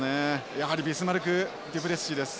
やはりビスマルクデュプレシーです。